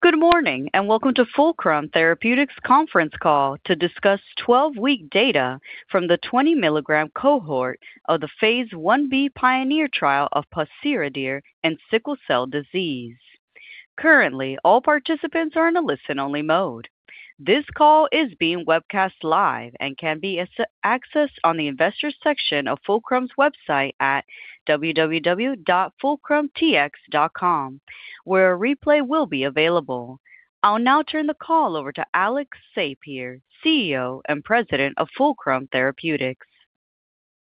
Good morning, and welcome to Fulcrum Therapeutics' conference call to discuss 12-week data from the 20-mg cohort of the phase I-B PIONEER trial of pociredir and sickle cell disease. Currently, all participants are in a listen-only mode. This call is being webcast live and can be accessed on the Investors section of Fulcrum's website at www.fulcrumtx.com, where a replay will be available. I'll now turn the call over to Alex C. Sapir, CEO and President of Fulcrum Therapeutics.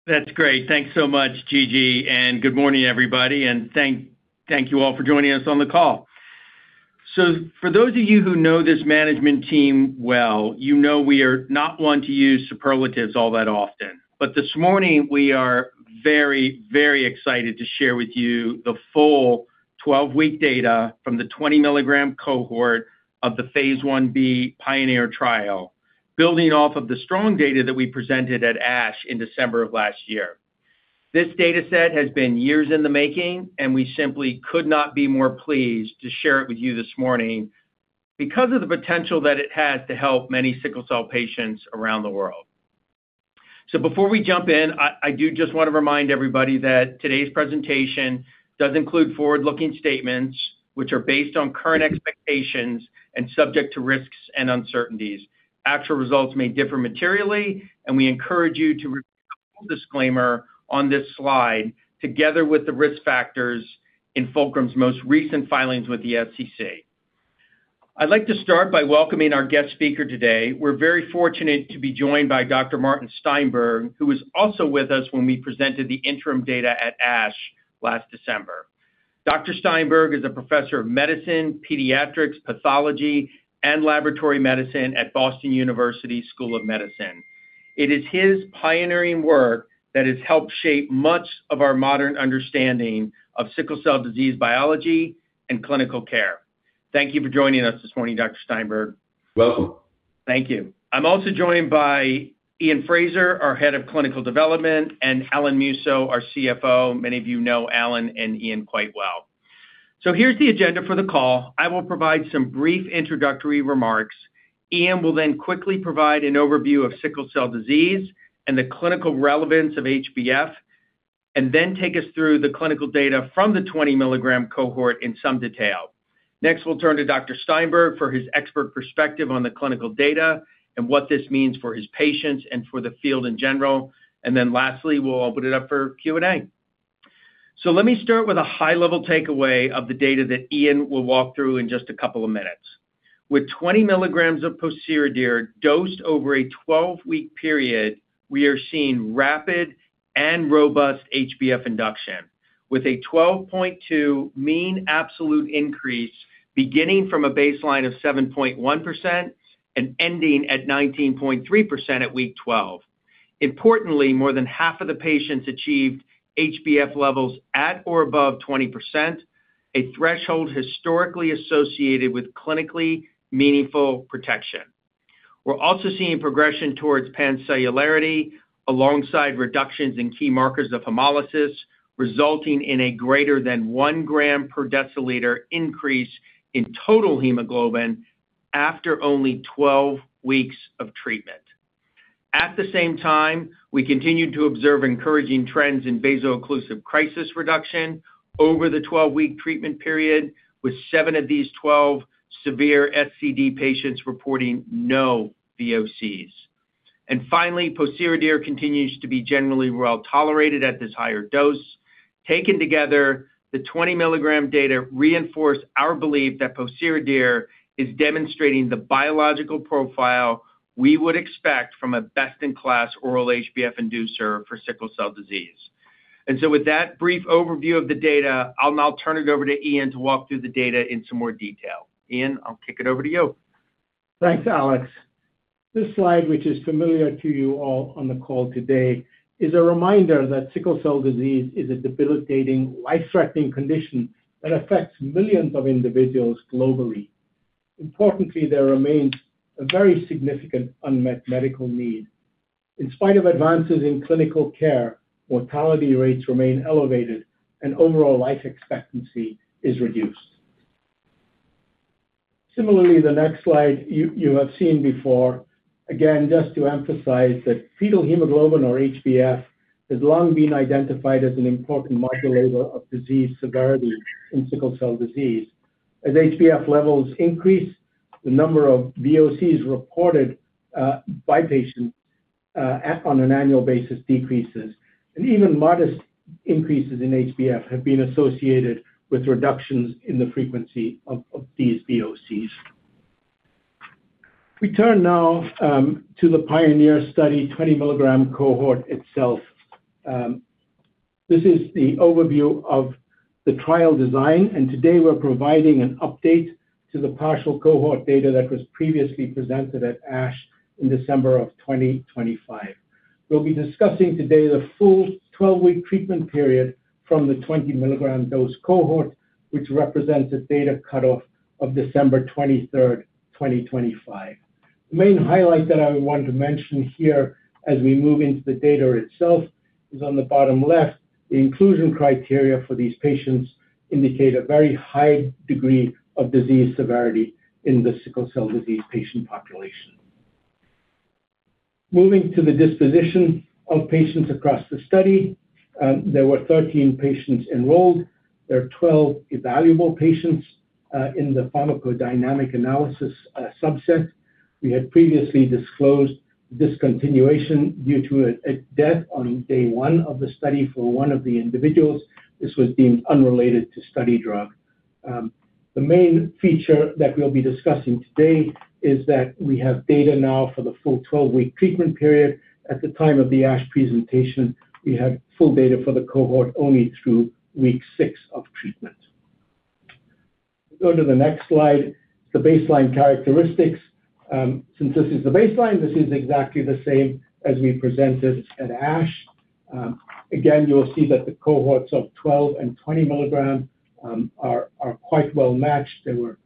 That's great. Thanks so much, Gigi. Good morning, everybody, thank you all for joining us on the call. For those of you who know this management team well, you know we are not one to use superlatives all that often. This morning, we are very, very excited to share with you the full 12-week data from the 20-mg cohort of the phase I-B PIONEER trial, building off of the strong data that we presented at ASH in December of last year. This data set has been years in the making. We simply could not be more pleased to share it with you this morning because of the potential that it has to help many sickle cell patients around the world. Before we jump in, I do just want to remind everybody that today's presentation does include forward-looking statements, which are based on current expectations and subject to risks and uncertainties. Actual results may differ materially, and we encourage you to review disclaimer on this slide, together with the risk factors in Fulcrum's most recent filings with the SEC. I'd like to start by welcoming our guest speaker today. We're very fortunate to be joined by Dr. Martin Steinberg, who was also with us when we presented the interim data at ASH last December. Dr. Steinberg is a professor of medicine, pediatrics, pathology, and laboratory medicine at Boston University School of Medicine. It is his pioneering work that has helped shape much of our modern understanding of sickle cell disease biology and clinical care. Thank you for joining us this morning, Dr. Steinberg. Welcome. Thank you. I'm also joined by Iain Fraser, our Head of Clinical Development, and Alan Musso, our CFO. Many of you know Alan and Iain quite well. Here's the agenda for the call. I will provide some brief introductory remarks. Iain will then quickly provide an overview of sickle cell disease and the clinical relevance of HbF, and then take us through the clinical data from the 20-mg cohort in some detail. Next, we'll turn to Dr. Steinberg for his expert perspective on the clinical data and what this means for his patients and for the field in general. Lastly, we'll open it up for Q&A. Let me start with a high-level takeaway of the data that Iain will walk through in just a couple of minutes. With 20 mg of pociredir dosed over a 12-week period, we are seeing rapid and robust HbF induction, with a 12.2% mean absolute increase, beginning from a baseline of 7.1% and ending at 19.3% at week 12. Importantly, more than half of the patients achieved HbF levels at or above 20%, a threshold historically associated with clinically meaningful protection. We're also seeing progression towards pancellularity alongside reductions in key markers of hemolysis, resulting in a greater than 1 g/dL increase in total hemoglobin after only 12 weeks of treatment. At the same time, we continued to observe encouraging trends in vaso-occlusive crisis reduction over the 12-week treatment period, with seven of these 12 severe SCD patients reporting no VOCs. Finally, pociredir continues to be generally well-tolerated at this higher dose. Taken together, the 20-mg data reinforce our belief that pociredir is demonstrating the biological profile we would expect from a best-in-class oral HbF inducer for sickle cell disease. With that brief overview of the data, I'll now turn it over to Iain to walk through the data in some more detail. Iain, I'll kick it over to you. Thanks, Alex. This slide, which is familiar to you all on the call today, is a reminder that sickle cell disease is a debilitating, life-threatening condition that affects millions of individuals globally. Importantly, there remains a very significant unmet medical need. In spite of advances in clinical care, mortality rates remain elevated, and overall life expectancy is reduced. Similarly, the next slide you have seen before, again, just to emphasize that fetal hemoglobin, or HbF, has long been identified as an important modulator of disease severity in sickle cell disease. As HbF levels increase, the number of VOCs reported by patients on an annual basis decreases, and even modest increases in HbF have been associated with reductions in the frequency of these VOCs. We turn now to the PIONEER study, 20-mg cohort itself. This is the overview of the trial design. Today we're providing an update to the partial cohort data that was previously presented at ASH in December of 2025. We'll be discussing today the full 12-week treatment period from the 20-mg dose cohort, which represents a data cutoff of December 23, 2025. The main highlight that I want to mention here as we move into the data itself, is on the bottom left. The inclusion criteria for these patients indicate a very high degree of disease severity in the sickle cell disease patient population. Moving to the disposition of patients across the study, there were 13 patients enrolled. There are 12 evaluable patients in the pharmacodynamic analysis subset. We had previously disclosed discontinuation due to a death on day one of the study for one of the individuals. This was deemed unrelated to study drug. The main feature that we'll be discussing today is that we have data now for the full 12-week treatment period. At the time of the ASH presentation, we had full data for the cohort only through week six of treatment. Go to the next slide. The baseline characteristics. Since this is the baseline, this is exactly the same as we presented at ASH. Again, you will see that the cohorts of 12 mg and 20 mg are quite well-matched. There were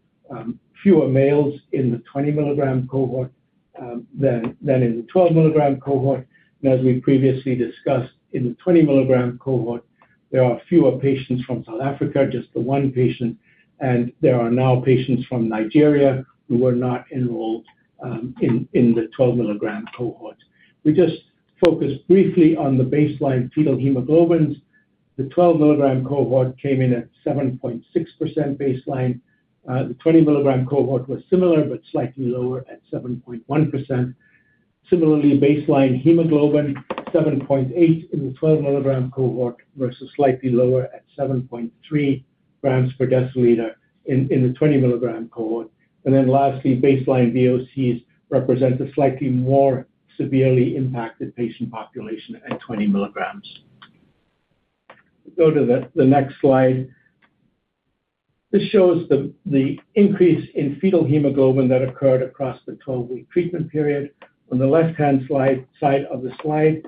fewer males in the 20-mg cohort than in the 12-mg cohort. As we previously discussed, in the 20-mg cohort, there are fewer patients from South Africa, just the one patient, and there are now patients from Nigeria who were not enrolled in the 12-mg cohort. We just focus briefly on the baseline fetal hemoglobins. The 12-mg cohort came in at 7.6% baseline. The 20-mg cohort was similar, but slightly lower at 7.1%. Similarly, baseline hemoglobin, 7.8% in the 12-mg cohort, versus slightly lower at 7.3 g/dL in the 20-mg cohort. Lastly, baseline VOCs represent a slightly more severely impacted patient population at 20 mg. Go to the next slide. This shows the increase in fetal hemoglobin that occurred across the 12-week treatment period. On the left-hand side of the slide,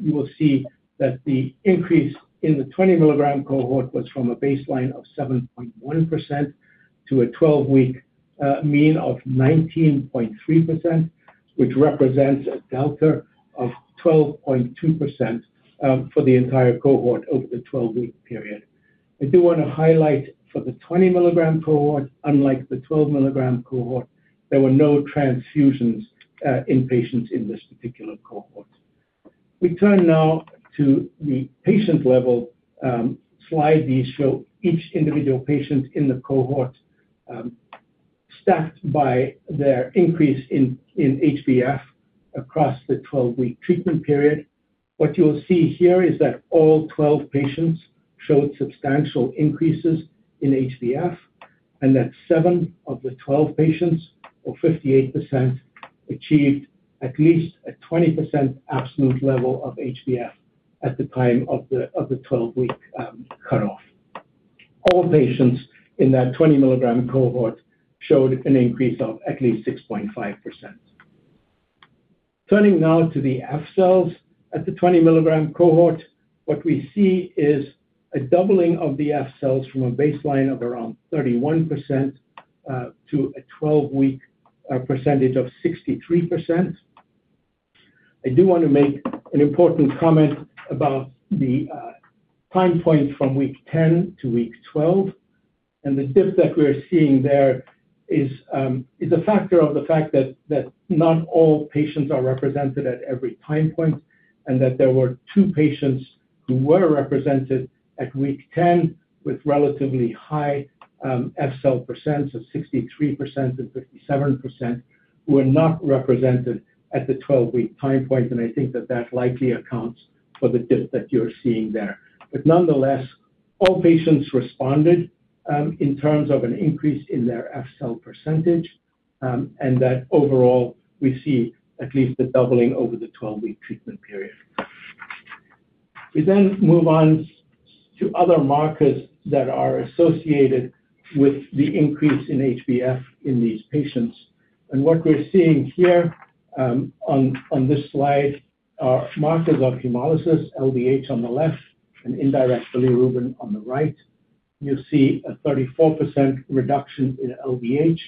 you will see that the increase in the 20-mg cohort was from a baseline of 7.1% to a 12-week mean of 19.3%, which represents a delta of 12.2% for the entire cohort over the 12-week period. I do want to highlight for the 20-mg cohort, unlike the 12-mg cohort, there were no transfusions in patients in this particular cohort. We turn now to the patient-level slide. These show each individual patient in the cohort stacked by their increase in HbF across the 12-week treatment period. What you will see here is that all 12 patients showed substantial increases in HbF, and that seven of the 12 patients, or 58%, achieved at least a 20% absolute level of HbF at the time of the 12-week cutoff. All patients in that 20-mg cohort showed an increase of at least 6.5%. Turning now to the F cells at the 20-mg cohort, what we see is a doubling of the F cells from a baseline of around 31%, to a 12-week percentage of 63%. I do want to make an important comment about the time point from week 10 to week 12, and the dip that we're seeing there is a factor of the fact that not all patients are represented at every time point, and that there were two patients who were represented at week 10 with relatively high F cell percentage of 63% and 57%, who are not represented at the 12-week time point, and I think that likely accounts for the dip that you're seeing there. Nonetheless, all patients responded in terms of an increase in their F cell percentage, and that overall, we see at least a doubling over the 12-week treatment period. We move on to other markers that are associated with the increase in HbF in these patients. What we're seeing here on this slide are markers of hemolysis, LDH on the left and indirect bilirubin on the right. You'll see a 34% reduction in LDH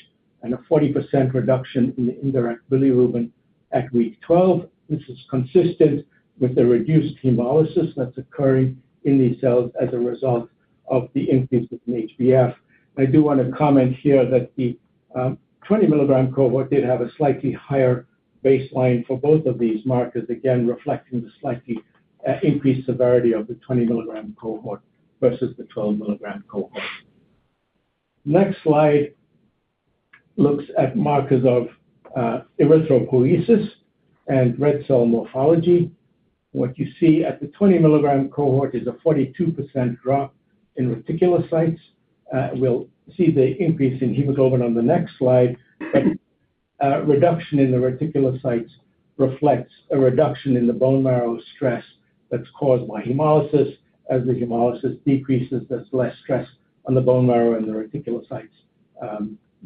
and a 40% reduction in the indirect bilirubin at week 12, which is consistent with the reduced hemolysis that's occurring in these cells as a result of the increase in HbF. I do want to comment here that the 20-mg cohort did have a slightly higher baseline for both of these markers, again, reflecting the slightly increased severity of the 20-mg cohort versus the 12-mg cohort. Next slide looks at markers of erythropoiesis and red cell morphology. What you see at the 20-mg cohort is a 42% drop in reticulocytes. We'll see the increase in hemoglobin on the next slide, reduction in the reticulocytes reflects a reduction in the bone marrow stress that's caused by hemolysis. As the hemolysis decreases, there's less stress on the bone marrow and the reticulocytes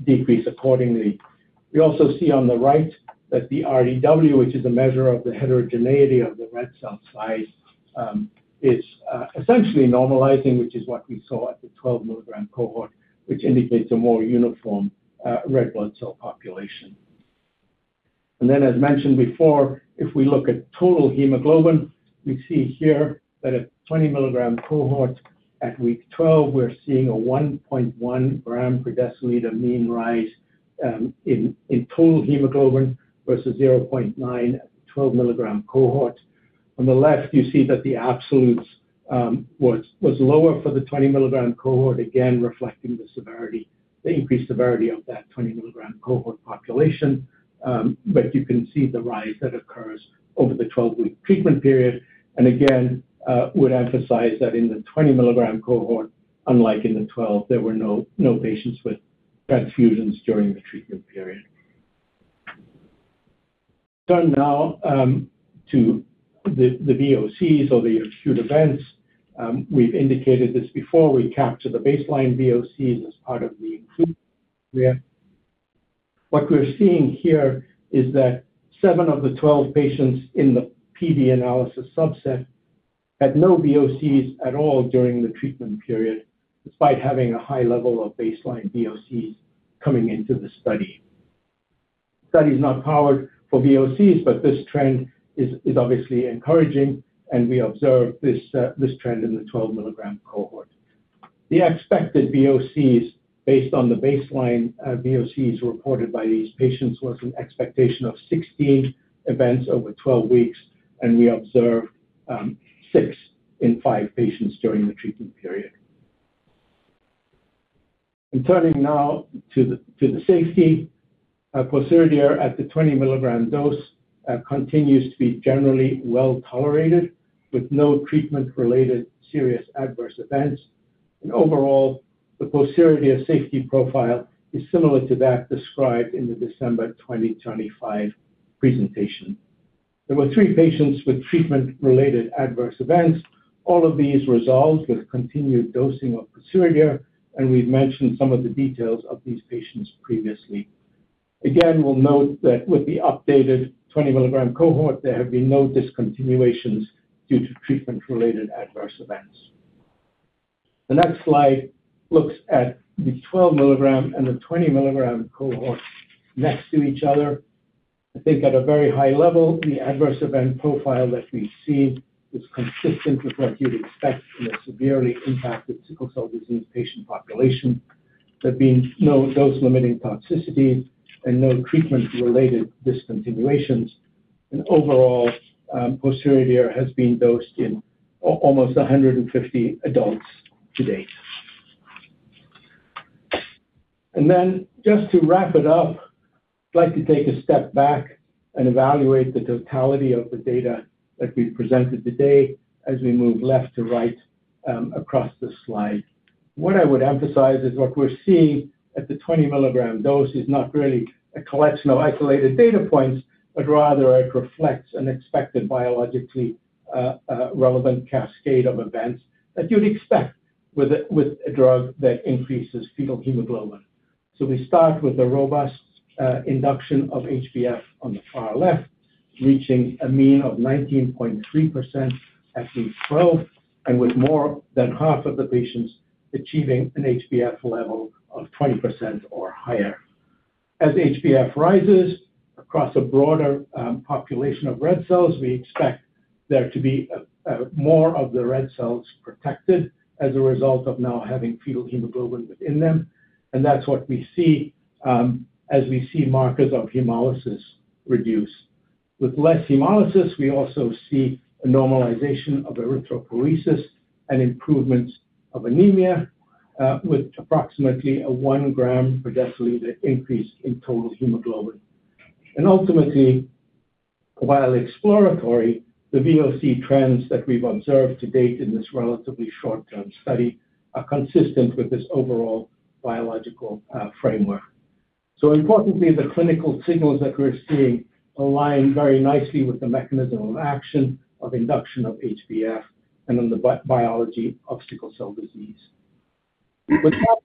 decrease accordingly. We also see on the right that the RDW, which is a measure of the heterogeneity of the red cell size, is essentially normalizing, which is what we saw at the 12 mg cohort, which indicates a more uniform red blood cell population. As mentioned before, if we look at total hemoglobin, we see here that a 20 mg cohort at week 12, we're seeing a 1.1 g/dL mean rise in total hemoglobin versus 0.9 g/dL at the 12 mg cohort. On the left, you see that the absolutes was lower for the 20 mg cohort, again, reflecting the increased severity of that 20 mg cohort population. You can see the rise that occurs over the 12-week treatment period, and again, would emphasize that in the 20 mg cohort, unlike in the 12, there were no patients with transfusions during the treatment period. Turn now to the VOCs or the acute events. We've indicated this before. We capture the baseline VOCs as part of the inclusion criteria. What we're seeing here is that seven of the 12 patients in the PD analysis subset had no VOCs at all during the treatment period, despite having a high level of baseline VOCs coming into the study. Study is not powered for VOCs, but this trend is obviously encouraging, and we observe this trend in the 12 mg cohort. The expected VOCs, based on the baseline VOCs reported by these patients, was an expectation of 16 events over 12 weeks, and we observed six in five patients during the treatment period. Turning now to the safety, pociredir at the 20 mg dose continues to be generally well tolerated, with no treatment-related serious adverse events. Overall, the pociredir safety profile is similar to that described in the December 2025 presentation. There were three patients with treatment-related adverse events. All of these resolved with continued dosing of pociredir, and we've mentioned some of the details of these patients previously. Again, we'll note that with the updated 20 mg cohort, there have been no discontinuations due to treatment-related adverse events. The next slide looks at the 12 mg and the 20 mg cohorts next to each other. I think at a very high level, the adverse event profile that we see is consistent with what you'd expect in a severely impacted sickle cell disease patient population. There have been no dose-limiting toxicities and no treatment-related discontinuations. Overall, pociredir has been dosed in almost 150 adults to date. Just to wrap it up, I'd like to take a step back and evaluate the totality of the data that we've presented today as we move left to right across the slide. What I would emphasize is what we're seeing at the 20 mg dose is not really a collection of isolated data points, but rather it reflects an expected biologically relevant cascade of events that you'd expect with a drug that increases fetal hemoglobin. We start with the robust induction of HbF on the far left, reaching a mean of 19.3% at week 12, with more than half of the patients achieving an HbF level of 20% or higher. As HbF rises across a broader population of red cells, we expect there to be more of the red cells protected as a result of now having fetal hemoglobin within them, and that's what we see as we see markers of hemolysis reduce. With less hemolysis, we also see a normalization of erythropoiesis and improvements of anemia, with approximately a 1 g/dL increase in total hemoglobin. Ultimately, while exploratory, the VOC trends that we've observed to date in this relatively short-term study are consistent with this overall biological framework. Importantly, the clinical signals that we're seeing align very nicely with the mechanism of action of induction of HbF and in the biology of sickle cell disease. With that,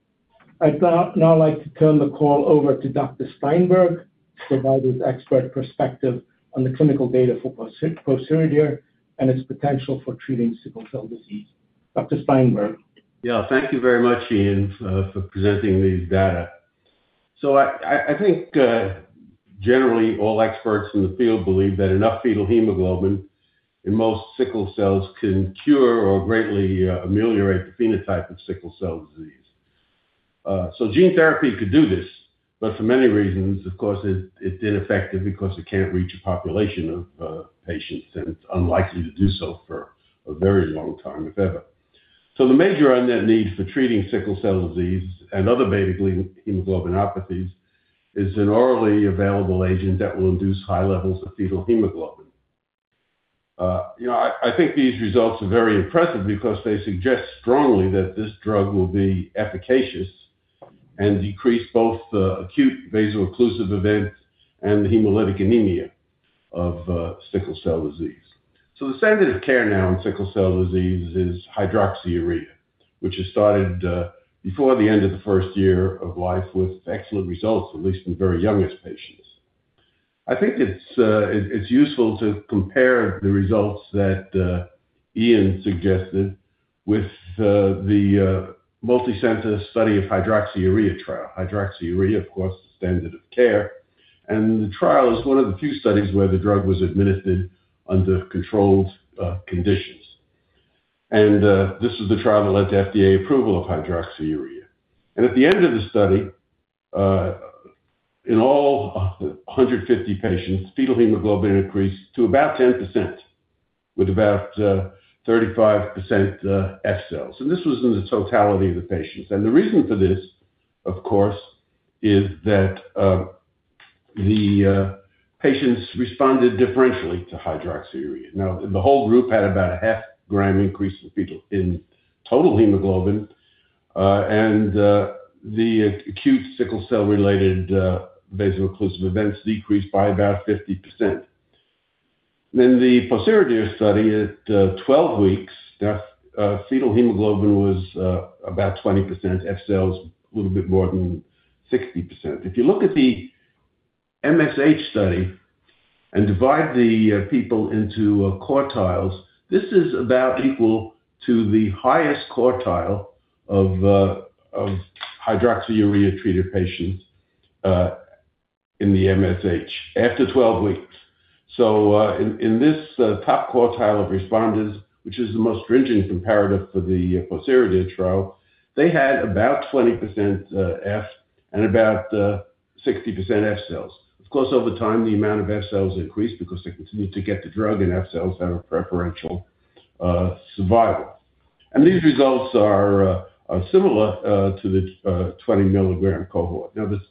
I'd now like to turn the call over to Dr. Steinberg to provide his expert perspective on the clinical data for pociredir and its potential for treating sickle cell disease. Dr. Steinberg? Thank you very much, Iain, for presenting these data. I think, generally, all experts in the field believe that enough fetal hemoglobin in most sickle cells can cure or greatly ameliorate the phenotype of sickle cell disease. Gene therapy could do this, but for many reasons, of course, it's ineffective because it can't reach a population of patients, and it's unlikely to do so for a very long time, if ever. The major unmet need for treating sickle cell disease and other beta-globin hemoglobinopathies is an orally available agent that will induce high levels of fetal hemoglobin. You know, I think these results are very impressive because they suggest strongly that this drug will be efficacious and decrease both the acute vaso-occlusive event and the hemolytic anemia of sickle cell disease. The standard of care now in sickle cell disease is hydroxyurea, which is started, before the end of the first year of life, with excellent results, at least in the very youngest patients. I think it's useful to compare the results that, Iain suggested with, the, multicenter study of hydroxyurea trial. Hydroxyurea, of course, the standard of care, the trial is one of the few studies where the drug was administered under controlled, conditions. This is the trial that led to FDA approval of hydroxyurea. At the end of the study, in all 150 patients, fetal hemoglobin increased to about 10%, with about, 35%, F cells. This was in the totality of the patients. The reason for this, of course, is that the patients responded differentially to hydroxyurea. The whole group had about a 0.5 g increase in total hemoglobin, and the acute sickle cell-related vaso-occlusive events decreased by about 50%. The PIONEER study at 12 weeks, the fetal hemoglobin was about 20%, F cells, a little bit more than 60%. If you look at the MSH study and divide the people into quartiles, this is about equal to the highest quartile of hydroxyurea-treated patients in the MSH after 12 weeks. In this top quartile of responders, which is the most stringent comparative for the PIONEER trial, they had about 20% F and about 60% F cells. Of course, over time, the amount of F cells increased because they continued to get the drug, and F cells have a preferential survival. These results are similar to the 20-mg cohort. The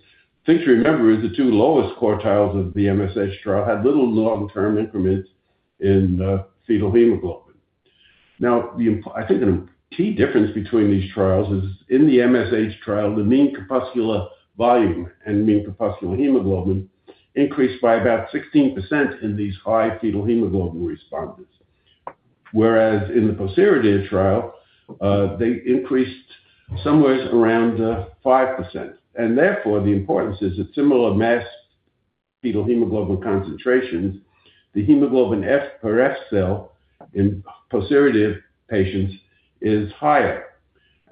thing to remember is the two lowest quartiles of the MSH trial had little long-term increments in fetal hemoglobin. I think the key difference between these trials is in the MSH trial, the mean corpuscular volume and mean corpuscular hemoglobin increased by about 16% in these high fetal hemoglobin responders. Whereas in the pociredir trial, they increased somewhere around 5%, and therefore, the importance is at similar mass fetal hemoglobin concentrations, the hemoglobin F per F cell in pociredir patients is higher.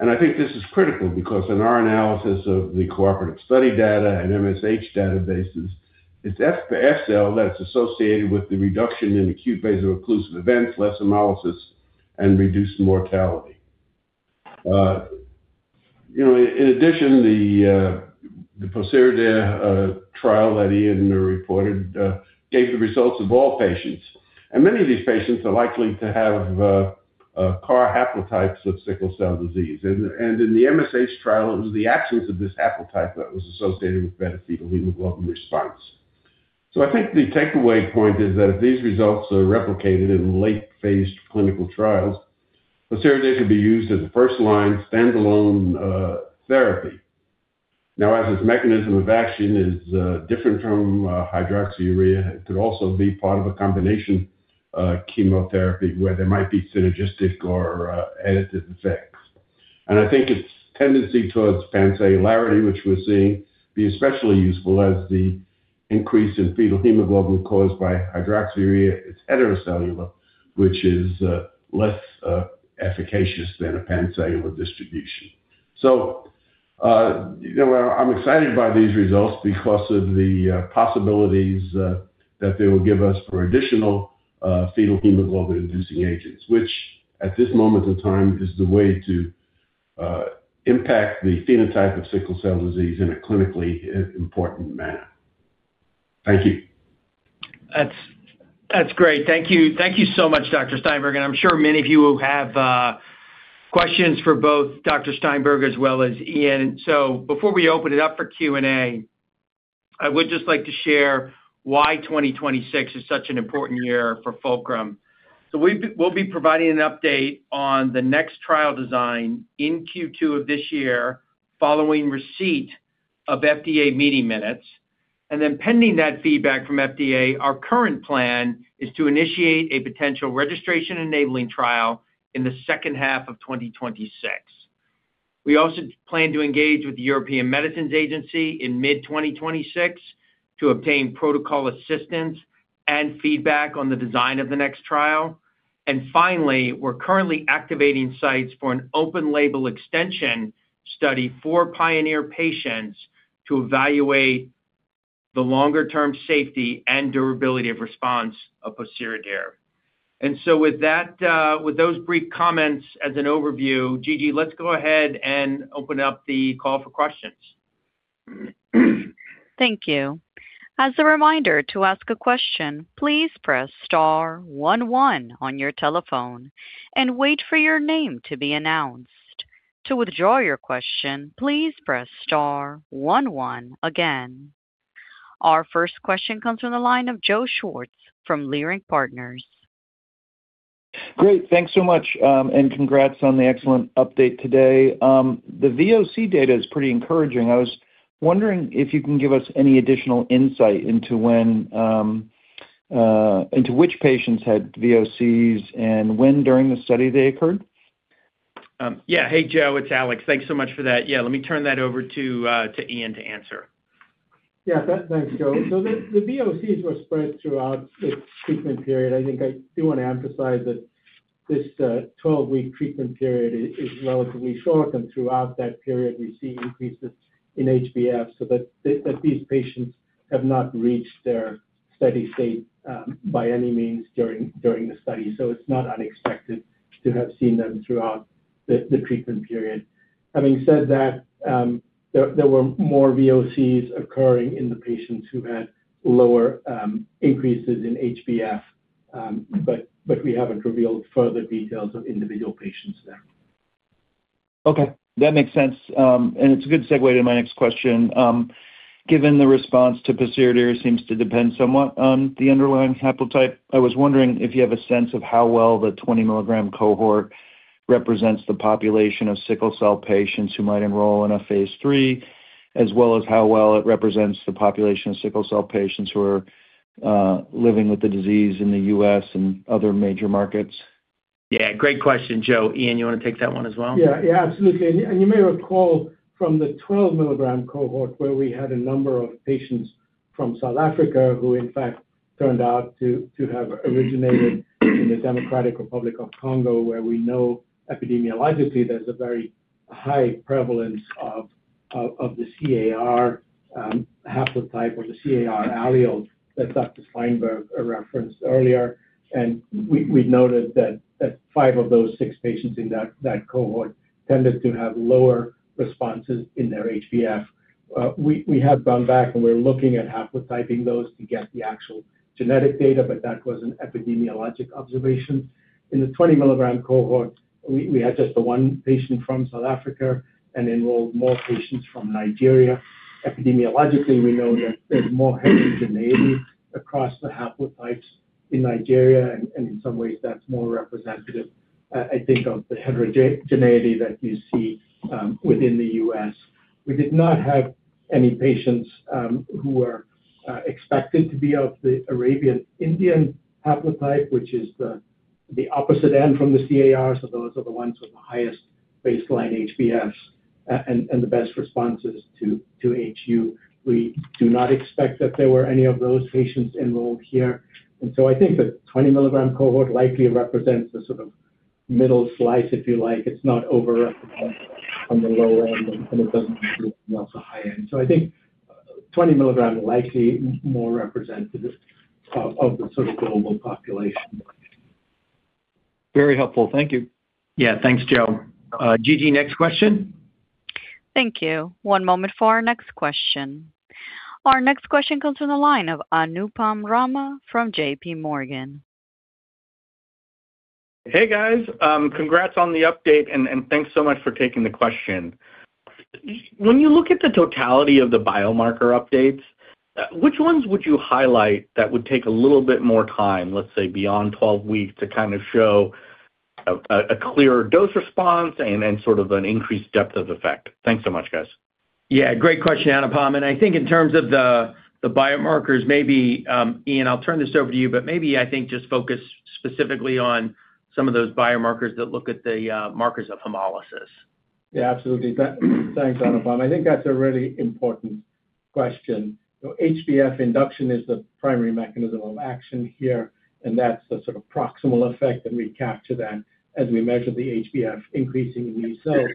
I think this is critical because in our analysis of the cooperative study data and MSH databases, it's F per F cell that's associated with the reduction in acute vaso-occlusive events, less hemolysis, and reduced mortality. You know, in addition, the pociredir trial that Iain reported gave the results of all patients, and many of these patients are likely to have CAR haplotypes of sickle cell disease. In the MSH trial, it was the absence of this haplotype that was associated with better fetal hemoglobin response. I think the takeaway point is that if these results are replicated in late-phase clinical trials, pociredir could be used as a first-line, standalone therapy. As its mechanism of action is different from hydroxyurea, it could also be part of a combination chemotherapy where there might be synergistic or additive effects. I think its tendency towards pancellularity, which we're seeing, be especially useful as the increase in fetal hemoglobin caused by hydroxyurea, it's heterocellular, which is less efficacious than a pancellular distribution. You know, I'm excited by these results because of the possibilities that they will give us for additional fetal hemoglobin-inducing agents, which at this moment in time, is the way to impact the phenotype of sickle cell disease in a clinically important manner. Thank you. That's great. Thank you. Thank you so much, Dr. Steinberg, and I'm sure many of you will have questions for both Dr. Steinberg as well as Iain. Before we open it up for Q&A, I would just like to share why 2026 is such an important year for Fulcrum. We'll be providing an update on the next trial design in Q2 of this year, following receipt of FDA meeting minutes. Pending that feedback from FDA, our current plan is to initiate a potential registration-enabling trial in the second half of 2026. We also plan to engage with the European Medicines Agency in mid-2026 to obtain protocol assistance and feedback on the design of the next trial. Finally, we're currently activating sites for an open-label extension study for PIONEER patients to evaluate the longer-term safety and durability of response of pociredir. With that, with those brief comments as an overview, Gigi, let's go ahead and open up the call for questions. Thank you. As a reminder to ask a question, please press star one on your telephone and wait for your name to be announced. To withdraw your question, please press star one again. Our first question comes from the line of Joseph Schwartz from Leerink Partners. Great. Thanks so much, and congrats on the excellent update today. The VOC data is pretty encouraging. I was wondering if you can give us any additional insight into when into which patients had VOCs and when during the study they occurred? Yeah. Hey, Joe, it's Alex. Thanks so much for that. Yeah, let me turn that over to Iain to answer. Yeah, thanks, Joe. The VOCs were spread throughout the treatment period. I think I do want to emphasize that this 12-week treatment period is relatively short, and throughout that period, we see increases in HbF so that these patients have not reached their steady state by any means during the study. It's not unexpected to have seen them throughout the treatment period. Having said that, there were more VOCs occurring in the patients who had lower increases in HbF, but we haven't revealed further details of individual patients there. Okay, that makes sense. It's a good segue to my next question. Given the response to pociredir seems to depend somewhat on the underlying haplotype, I was wondering if you have a sense of how well the 20-mg cohort represents the population of sickle cell patients who might enroll in a phase III, as well as how well it represents the population of sickle cell patients who are living with the disease in the U.S. and other major markets. Yeah, great question, Joe. Iain, you want to take that one as well? Yeah. Yeah, absolutely. You may recall from the 12-mg cohort, where we had a number of patients from South Africa, who, in fact, turned out to have originated in the Democratic Republic of Congo, where we know epidemiologically, there's a very high prevalence of the CAR haplotype or the TRAC allele that Dr. Steinberg referenced earlier. We noted that five of those six patients in that cohort tended to have lower responses in their HbF. We have gone back, and we're looking at haplotyping those to get the actual genetic data, but that was an epidemiologic observation. In the 20-mg cohort, we had just the one patient from South Africa and enrolled more patients from Nigeria. Epidemiologically, we know that there's more heterogeneity across the haplotypes in Nigeria, and in some ways that's more representative, I think, of the heterogeneity that you see within the U.S. We did not have any patients who were expected to be of the Arab-Indian haplotype, which is the opposite end from the CAR, so those are the ones with the highest baseline HbFs, and the best responses to HU. We do not expect that there were any of those patients enrolled here. I think the 20-mg cohort likely represents the sort of middle slice, if you like. It's not overrepresented on the low end, and it doesn't the high end. I think 20 mg are likely more representative of the sort of global population. Very helpful. Thank you. Yeah. Thanks, Joe. Gigi, next question? Thank you. One moment for our next question. Our next question comes from the line of Anupam Rama from JPMorgan. Hey, guys, congrats on the update, and thanks so much for taking the question. When you look at the totality of the biomarker updates, which ones would you highlight that would take a little bit more time, let's say, beyond 12 weeks, to kind of show a clearer dose response and sort of an increased depth of effect? Thanks so much, guys. Yeah, great question, Anupam. I think in terms of the biomarkers, maybe, Iain, I'll turn this over to you, but maybe I think just focus specifically on some of those biomarkers that look at the, markers of hemolysis. Absolutely. Thanks, Anupam. I think that's a really important question. HbF induction is the primary mechanism of action here, and that's the sort of proximal effect, and we capture that as we measure the HbF increasing in these cells.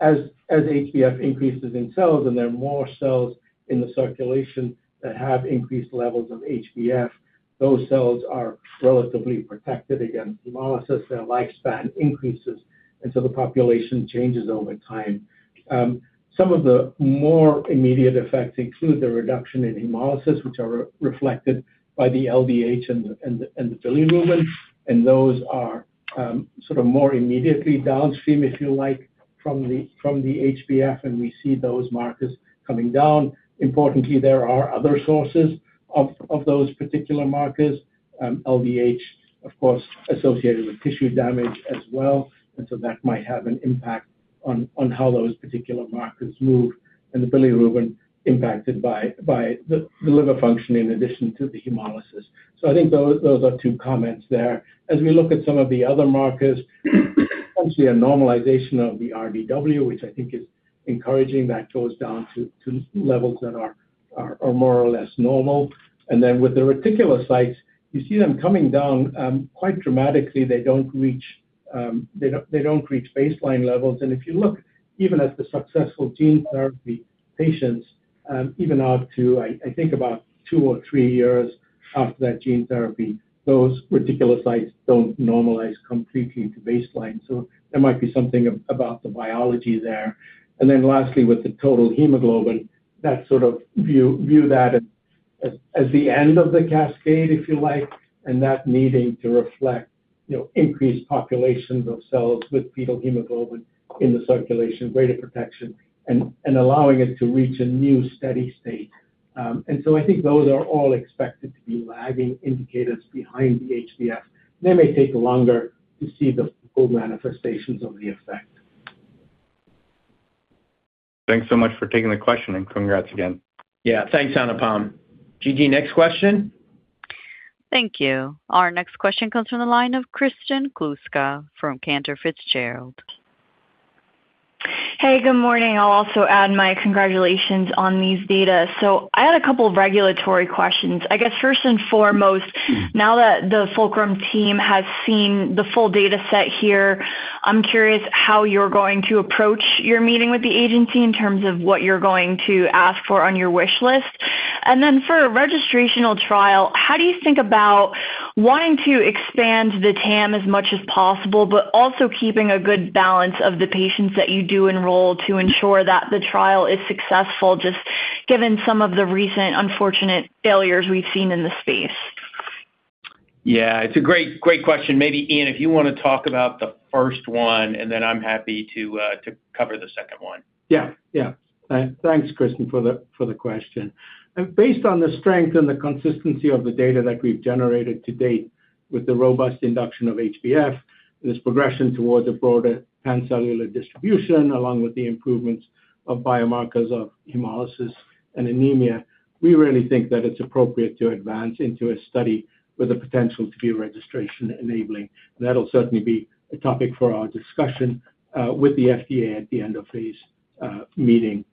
As HbF increases in cells, and there are more cells in the circulation that have increased levels of HbF, those cells are relatively protected against hemolysis. Their lifespan increases, the population changes over time. Some of the more immediate effects include the reduction in hemolysis, which are reflected by the LDH and the bilirubin, and those are sort of more immediately downstream, if you like, from the HbF, and we see those markers coming down. Importantly, there are other sources of those particular markers. LDH, of course, associated with tissue damage as well, That might have an impact on how those particular markers move, and the bilirubin impacted by the liver function in addition to the hemolysis. I think those are two comments there. As we look at some of the other markers, we see a normalization of the RDW, which I think is encouraging. That goes down to levels that are more or less normal. With the reticulocytes, you see them coming down quite dramatically. They don't reach baseline levels. If you look even at the successful gene therapy patients, even out to, I think about two or three years after that gene therapy, those reticulocytes don't normalize completely to baseline. There might be something about the biology there. Lastly, with the total hemoglobin, that sort of view that as the end of the cascade, if you like, and that needing to reflect, you know, increased populations of cells with fetal hemoglobin in the circulation, greater protection, and allowing it to reach a new steady state. I think those are all expected to be lagging indicators behind the HbF. They may take longer to see the full manifestations of the effect. Thanks so much for taking the question, and congrats again. Yeah, thanks, Anupam. Gigi, next question? Thank you. Our next question comes from the line of Kristen Kluska from Cantor Fitzgerald. Hey, good morning. I'll also add my congratulations on these data. I had a couple of regulatory questions. I guess first and foremost, now that the Fulcrum team has seen the full data set here, I'm curious how you're going to approach your meeting with the agency in terms of what you're going to ask for on your wish list. For a registrational trial, how do you think about wanting to expand the TAM as much as possible, but also keeping a good balance of the patients that you do enroll to ensure that the trial is successful, just given some of the recent unfortunate failures we've seen in the space? Yeah, it's a great question. Maybe, Iain, if you want to talk about the first one, I'm happy to cover the second one. Yeah. Thanks, Kristen, for the question. Based on the strength and the consistency of the data that we've generated to date with the robust induction of HbF, this progression towards a broader pancellular distribution, along with the improvements of biomarkers of hemolysis and anemia, we really think that it's appropriate to advance into a study with the potential to be registration-enabling. That'll certainly be a topic for our discussion with the FDA at the end of this meeting.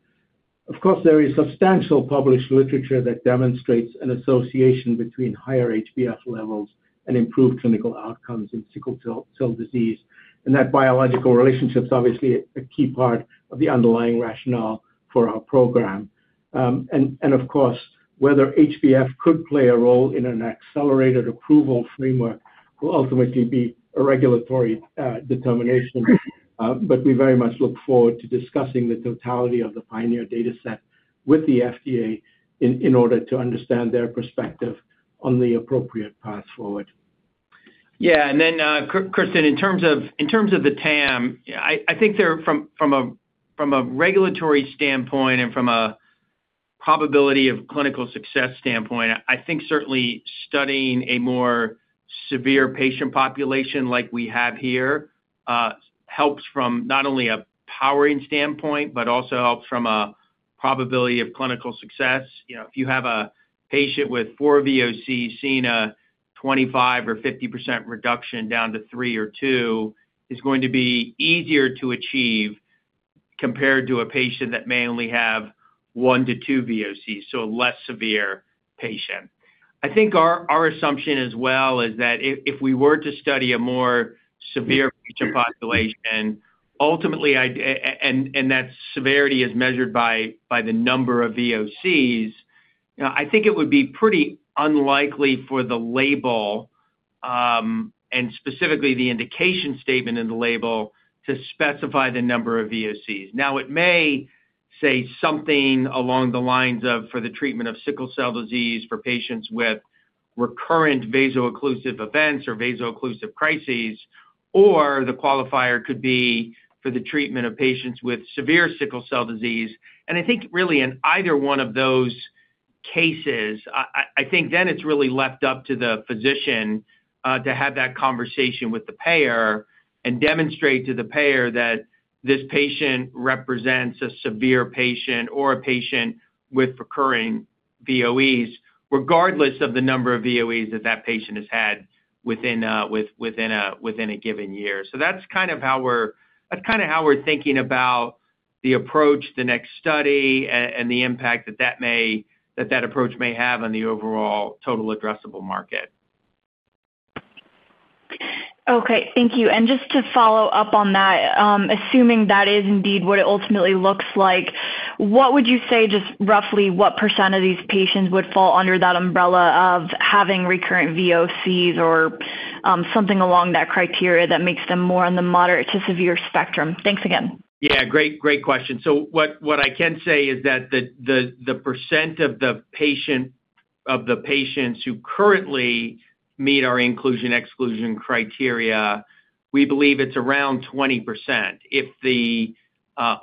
Of course, there is substantial published literature that demonstrates an association between higher HbF levels and improved clinical outcomes in sickle cell disease, and that biological relationship is obviously a key part of the underlying rationale for our program. And of course, whether HbF could play a role in an Accelerated Approval framework will ultimately be a regulatory determination. We very much look forward to discussing the totality of the PIONEER data set with the FDA in order to understand their perspective on the appropriate path forward. Kristen, in terms of, in terms of the TAM, I think they're from a regulatory standpoint and from a probability of clinical success standpoint, I think certainly studying a more severe patient population like we have here, helps from not only a powering standpoint, but also helps from a probability of clinical success. You know, if you have a patient with four VOC, seeing a 25% or 50% reduction down to three or two, is going to be easier to achieve compared to a patient that may only have 1-2 VOC, so a less severe patient. I think our assumption as well is that if we were to study a more severe patient population, ultimately, and that severity is measured by the number of VOCs, I think it would be pretty unlikely for the label, and specifically the indication statement in the label, to specify the number of VOCs. It may say something along the lines of, for the treatment of sickle cell disease, for patients with recurrent vaso-occlusive events or vaso-occlusive crises, or the qualifier could be for the treatment of patients with severe sickle cell disease. I think really in either one of those cases, I think then it's really left up to the physician to have that conversation with the payer and demonstrate to the payer that this patient represents a severe patient or a patient with recurring VOEs, regardless of the number of VOEs that patient has had within a given year. That's kind of how we're thinking about the approach, the next study, and the impact that that approach may have on the overall total addressable market. Okay, thank you. Just to follow up on that, assuming that is indeed what it ultimately looks like, what would you say, just roughly what percentage of these patients would fall under that umbrella of having recurrent VOCs or, something along that criteria that makes them more on the moderate to severe spectrum? Thanks again. Great, great question. What I can say is that the percent of the patients who currently meet our inclusion/exclusion criteria, we believe it's around 20%. If the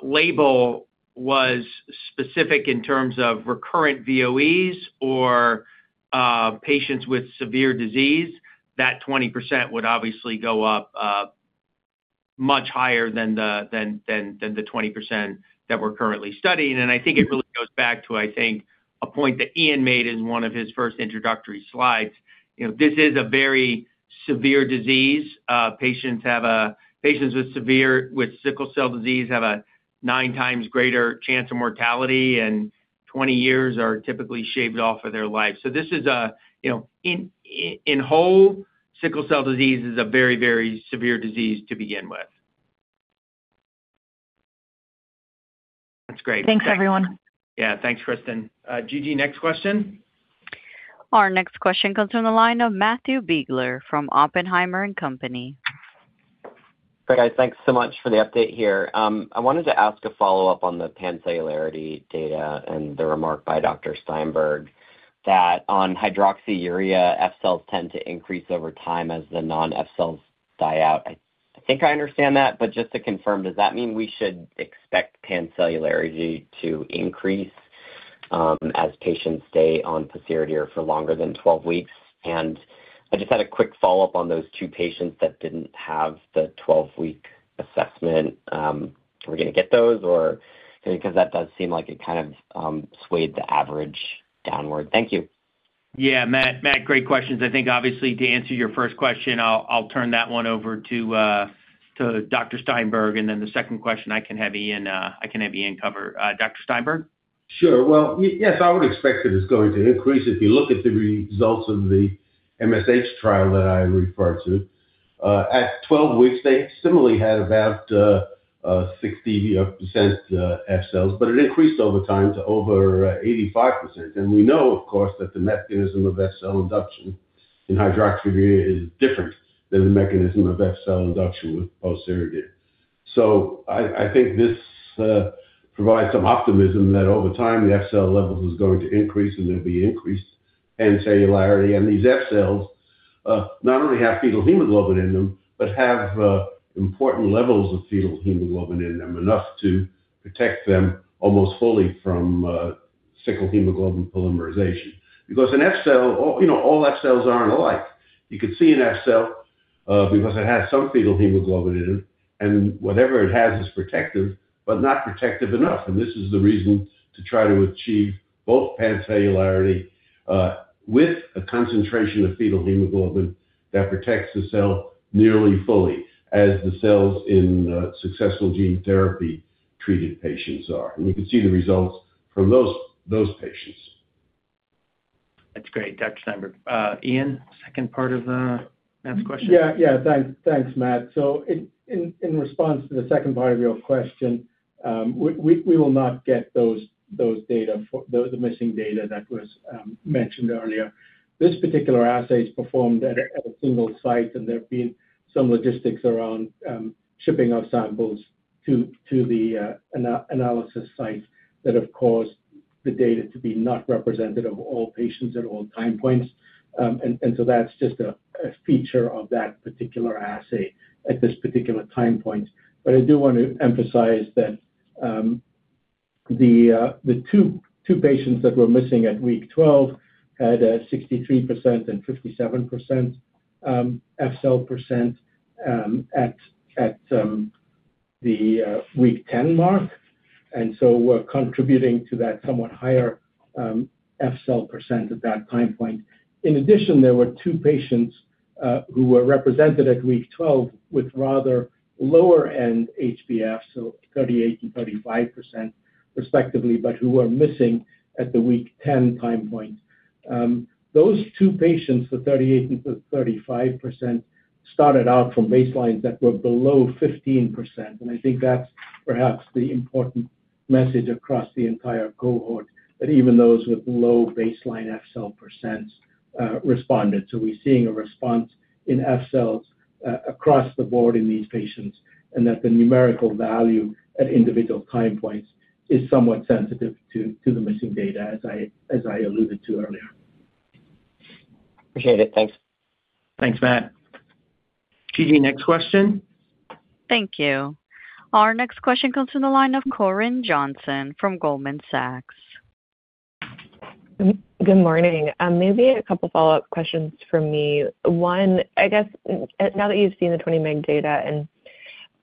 label was specific in terms of recurrent VOEs or patients with severe disease, that 20% would obviously go up much higher than the 20% that we're currently studying. I think it really goes back to, I think, a point that Iain made in one of his first introductory slides. You know, this is a very severe disease. Patients with sickle cell disease have a 9x greater chance of mortality, and 20 years are typically shaved off of their life. This is a, you know, in whole, sickle cell disease is a very severe disease to begin with. That's great. Thanks, everyone. Yeah. Thanks, Kristen. Gigi, next question? Our next question comes from the line of Matthew Biegler from Oppenheimer and Company. Hey, guys. Thanks so much for the update here. I wanted to ask a follow-up on the pancellularity data and the remark by Dr. Steinberg, that on hydroxyurea, F cells tend to increase over time as the non-F cells die out. I think I understand that, but just to confirm, does that mean we should expect pancellularity to increase as patients stay on pociredir for longer than 12 weeks? I just had a quick follow-up on those two patients that didn't have the 12-week assessment. Are we going to get those, or? Because that does seem like it kind of swayed the average downward. Thank you. Yeah, Matt, great questions. I think obviously, to answer your first question, I'll turn that one over to Dr. Steinberg, then the second question I can have Iain cover. Dr. Steinberg? Sure. Well, yes, I would expect it is going to increase. If you look at the results of the MSH trial that I referred to, at 12 weeks, they similarly had about 60% F cells, but it increased over time to over 85%. We know, of course, that the mechanism of F cell induction in hydroxyurea is different than the mechanism of F cell induction with pociredir. I think this provides some optimism that over time, the F cell levels is going to increase, and there'll be increased cellularity. These F cells, not only have fetal hemoglobin in them, but have important levels of fetal hemoglobin in them, enough to protect them almost fully from sickle hemoglobin polymerization. An F cell, you know, all F cells aren't alike. You could see an F cell, because it has some fetal hemoglobin in it, and whatever it has is protective, but not protective enough. This is the reason to try to achieve both pancellularity, with a concentration of fetal hemoglobin that protects the cell nearly fully, as the cells in successful gene therapy-treated patients are. We can see the results from those patients. That's great, Dr. Steinberg. Iain, second part of Matt's question? Yeah, thanks. Thanks, Matt. In response to the second part of your question, we will not get those data for the missing data that was mentioned earlier. This particular assay is performed at a single site, and there have been some logistics around shipping of samples to the analysis site that have caused the data to be not representative of all patients at all time points. That's just a feature of that particular assay at this particular time point. I do want to emphasize that the two patients that were missing at week 12 had 63% and 57% F cell percent, at the week 10 mark, and so were contributing to that somewhat higher F cell percent at that time point. In addition, there were two patients who were represented at week 12 with rather lower-end HbF, so 38% and 35% respectively, but who were missing at the week 10 time point. Those two patients, the 38% and the 35%, started out from baselines that were below 15%, and I think that's perhaps the important message across the entire cohort, that even those with low baseline F cell percents responded. We're seeing a response in F cells across the board in these patients, and that the numerical value at individual time points is somewhat sensitive to the missing data, as I alluded to earlier. Appreciate it. Thanks. Thanks, Matt. Gigi, next question? Thank you. Our next question comes from the line of Corinne Johnson from Goldman Sachs. Good morning. Maybe a couple follow-up questions from me. One, I guess, now that you've seen the 20 mg data and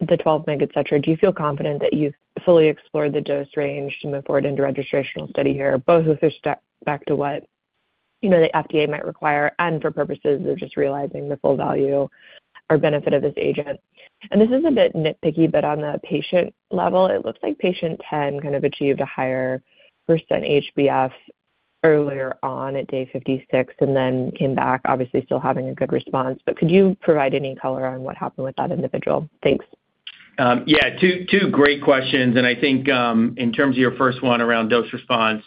the 12 mg, et cetera, do you feel confident that you've fully explored the dose range to move forward into registrational study here, both with respect back to what, you know, the FDA might require and for purposes of just realizing the full value or benefit of this agent? This is a bit nitpicky, but on the patient level, it looks like patient 10 achieved a higher percent HbF earlier on at day 56 and then came back, obviously still having a good response. Could you provide any color on what happened with that individual? Thanks. Two great questions, and I think, in terms of your first one around dose response,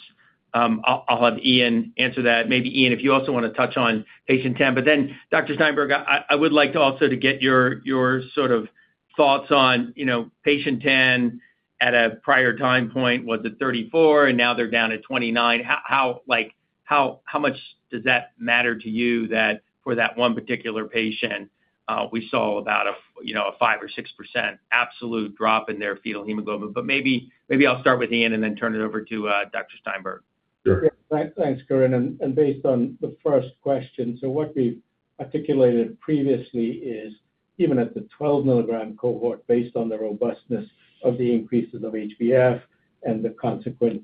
I'll have Iain answer that. Maybe, Iain, if you also want to touch on patient 10. Dr. Steinberg, I would like to also to get your sort of thoughts on, you know, patient 10 at a prior time point, was it 34, and now they're down to 29. Like, how much does that matter to you that for that one particular patient, we saw about a, you know, a 5% or 6% absolute drop in their fetal hemoglobin? I'll start with Iain and then turn it over to Dr. Steinberg. Sure. Thanks. Thanks, Corinne. Based on the first question, what we've articulated previously is even at the 12-mg cohort, based on the robustness of the increases of HbF and the consequent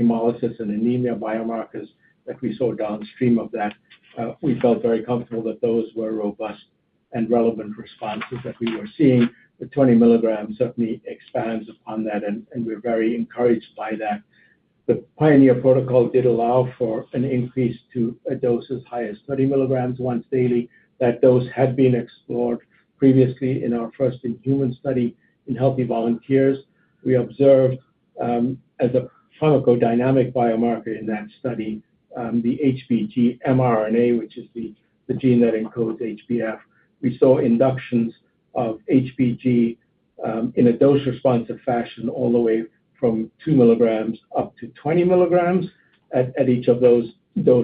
hemolysis and anemia biomarkers that we saw downstream of that, we felt very comfortable that those were robust and relevant responses that we were seeing. The 20 mg certainly expands upon that. We're very encouraged by that. The PIONEER protocol did allow for an increase to a dose as high as 30 mg once daily. That dose had been explored previously in our first-in-human study in healthy volunteers. We observed as a pharmacodynamic biomarker in that study, the HBG mRNA, which is the gene that encodes HbF. We saw inductions of HBG in a dose-responsive fashion all the way from 2 mg up to 20 mg, at each of those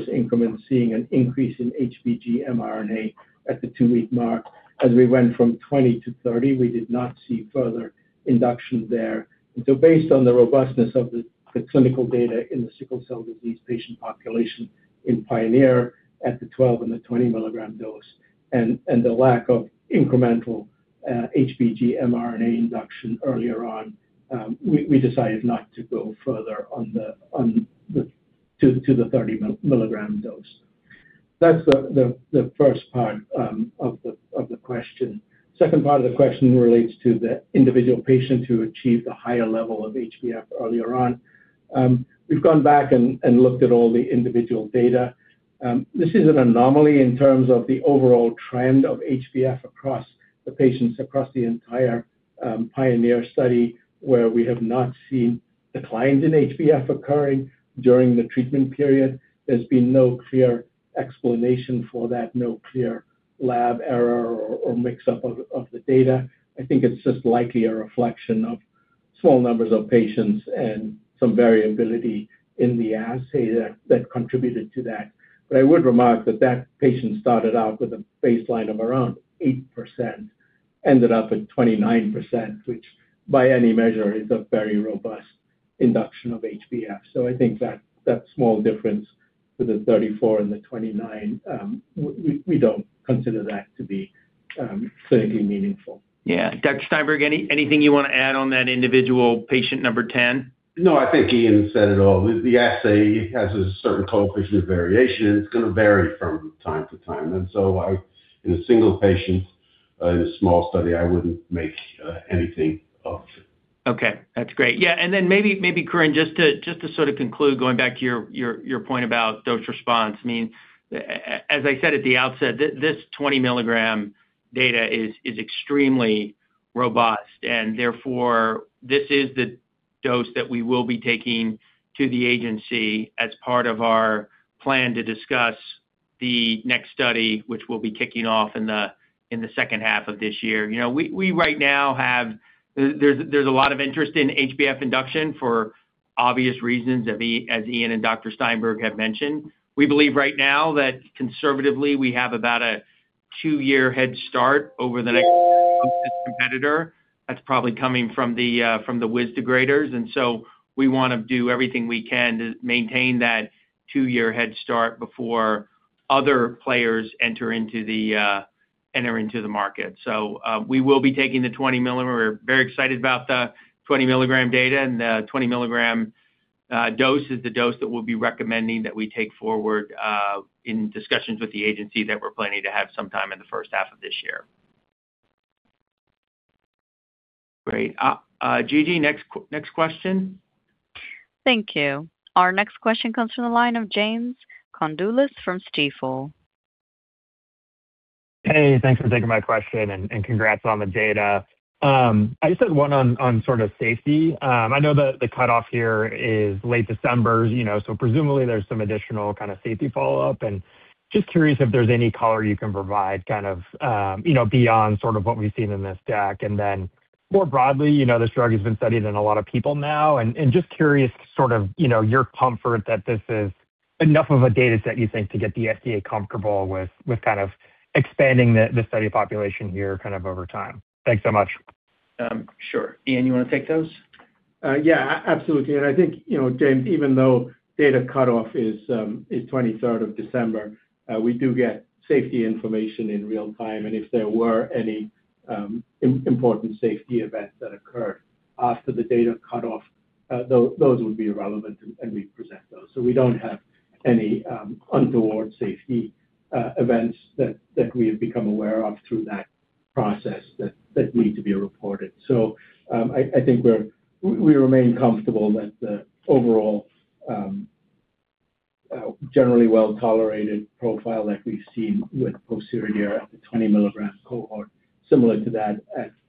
increments, seeing an increase in HBG mRNA at the 2-week mark. As we went from 20 to 30, we did not see further induction there. Based on the robustness of the clinical data in the sickle cell disease patient population in PIONEER at the 12 mg and 20 mg dose, and the lack of incremental HBG mRNA induction earlier on, we decided not to go further on the 30 mg dose. That's the first part of the question. Second part of the question relates to the individual patient who achieved a higher level of HbF earlier on. We've gone back and looked at all the individual data. This is an anomaly in terms of the overall trend of HbF across the patients, across the entire PIONEER study, where we have not seen declines in HbF occurring during the treatment period. There's been no clear explanation for that, no clear lab error or mix-up of the data. I think it's just likely a reflection of small numbers of patients and some variability in the assay that contributed to that. I would remark that that patient started out with a baseline of around 8%, ended up at 29%, which by any measure is a very robust induction of HbF. I think that small difference with the 34 and the 29, we don't consider that to be clinically meaningful. Yeah. Dr. Steinberg, anything you wanna add on that individual patient number 10? No, I think Iain said it all. The assay has a certain coefficient of variation, and it's gonna vary from time to time. I, in a single patient, in a small study, I wouldn't make anything of it. Okay, that's great. Yeah, and then maybe Corinne, just to sort of conclude, going back to your point about dose response. I mean, as I said at the outset, this 20-mg data is extremely robust, and therefore, this is the dose that we will be taking to the FDA as part of our plan to discuss the next study, which we'll be kicking off in the second half of this year. There's a lot of interest in HbF induction for obvious reasons, as Iain and Dr. Martin Steinberg have mentioned. We believe right now that conservatively, we have about a two-year head start over the next competitor. That's probably coming from the WIZ degraders. We wanna do everything we can to maintain that two-year head start before other players enter into the market. We will be taking the 20 mg. We're very excited about the 20 mg data, and the 20 mg dose is the dose that we'll be recommending that we take forward in discussions with the agency that we're planning to have sometime in the first half of this year. Great. Gigi, next question. Thank you. Our next question comes from the line of James Condulis from Stifel. Hey, thanks for taking my question, and congrats on the data. I just had one on sort of safety. I know that the cutoff here is late December, you know, so presumably there's some additional kind of safety follow-up. Just curious if there's any color you can provide, kind of, you know, beyond sort of what we've seen in this deck. Then more broadly, you know, this drug has been studied in a lot of people now, and just curious, sort of, you know, your comfort that this is enough of a data set, you think, to get the FDA comfortable with kind of expanding the study population here, kind of over time. Thanks so much. Sure. Iain, you wanna take those? Yeah, absolutely. I think, you know, James, even though data cutoff is 23rd December, we do get safety information in real time, and if there were any important safety events that occurred after the data cutoff, those would be relevant, and we'd present those. We don't have any untoward safety events that we have become aware of through that process that need to be reported. I think we remain comfortable that the overall generally well-tolerated profile that we've seen with pociredir at the 20 mg cohort, similar to that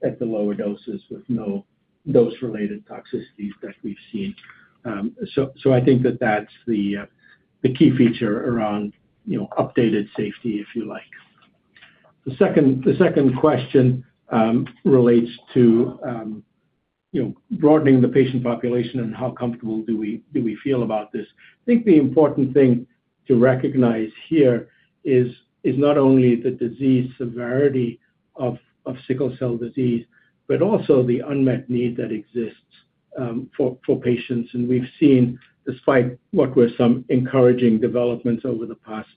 at the lower doses with no dose-related toxicities that we've seen. I think that that's the key feature around, you know, updated safety, if you like. The second question relates to, you know, broadening the patient population and how comfortable do we feel about this? I think the important thing to recognize here is not only the disease severity of sickle cell disease, but also the unmet need that exists for patients. We've seen, despite what were some encouraging developments over the past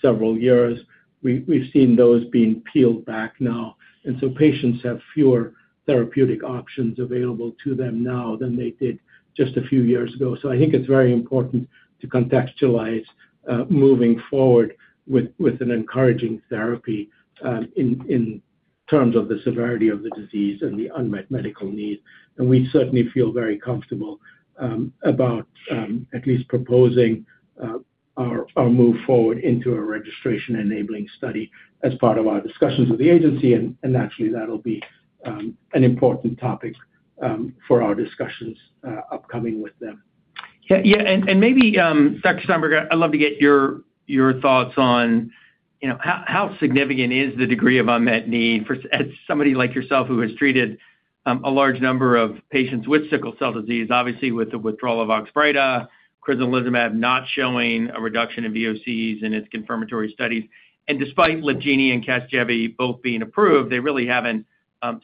several years, we've seen those being peeled back now. Patients have fewer therapeutic options available to them now than they did just a few years ago. I think it's very important to contextualize moving forward with an encouraging therapy in terms of the severity of the disease and the unmet medical needs. We certainly feel very comfortable about at least proposing our move forward into a registration-enabling study as part of our discussions with the agency, and naturally, that'll be an important topic for our discussions upcoming with them. Yeah, and maybe, Dr. Steinberg, I'd love to get your thoughts on, you know, how significant is the degree of unmet need for as somebody like yourself who has treated a large number of patients with sickle cell disease, obviously, with the withdrawal of Oxbryta, crizanlizumab not showing a reduction in VOCs in its confirmatory studies. Despite Lyfgenia and Casgevy both being approved, they really haven't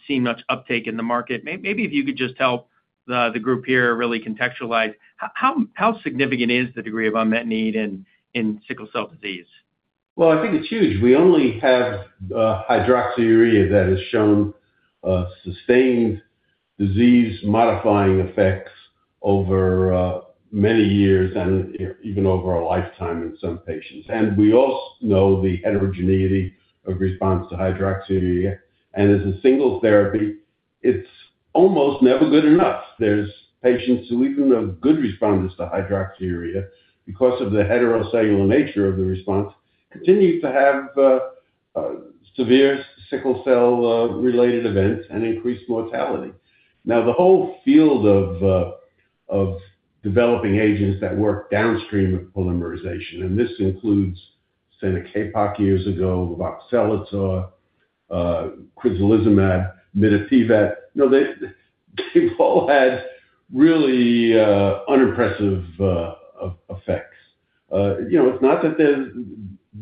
seen much uptake in the market. Maybe if you could just help the group here really contextualize how significant is the degree of unmet need in sickle cell disease? Well, I think it's huge. We only have hydroxyurea that has shown sustained disease-modifying effects over many years and even over a lifetime in some patients. We also know the heterogeneity of response to hydroxyurea, and as a single therapy, it's almost never good enough. There's patients who, even though good responders to hydroxyurea, because of the heterocellular nature of the response, continue to have severe sickle cell related events and increased mortality. The whole field of developing agents that work downstream of polymerization, and this includes Senicapoc years ago, Voxelotor, crizanlizumab, midovax. You know, they've all had really unimpressive effects. You know, it's not that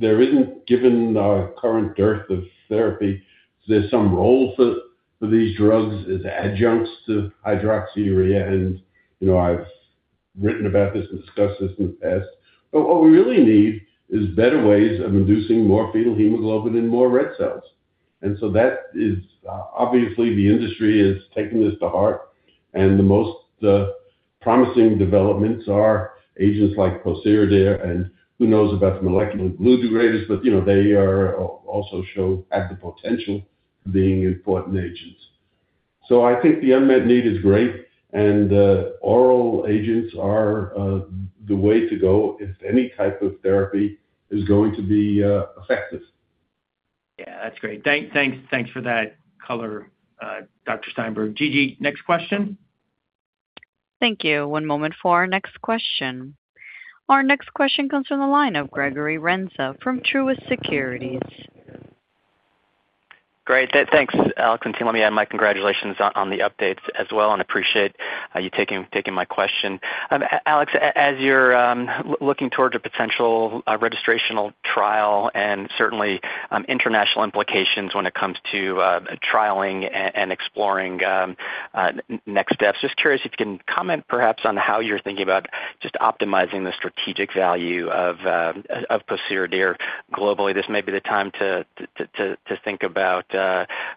there isn't, given our current dearth of therapy, there's some role for these drugs as adjuncts to hydroxyurea. You know, I've written about this and discussed this in the past. What we really need is better ways of inducing more fetal hemoglobin and more red cells. That is obviously, the industry is taking this to heart, and the most promising developments are agents like pociredir, and who knows about the molecular glue degraders, but, you know, they are also show active potential being important agents. I think the unmet need is great, and oral agents are the way to go if any type of therapy is going to be effective. That's great. Thanks for that color, Dr. Steinberg. Gigi, next question. Thank you. One moment for our next question. Our next question comes from the line of Gregory Renza from Truist Securities. Great. Thanks, Alex. Let me add my congratulations on the updates as well. Appreciate you taking my question. Alex, as you're looking towards a potential registrational trial and certainly international implications when it comes to trialing and exploring next steps, just curious if you can comment perhaps on how you're thinking about just optimizing the strategic value of pociredir globally. This may be the time to think about